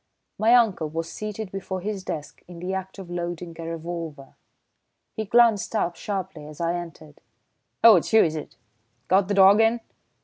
My uncle was seated before his desk in the act of loading a revolver. He glanced up sharply as I entered. "Oh, it's you, is it? Got the dog in?"